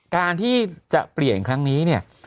การที่จะเปลี่ยนครั้งนี้เนี่ย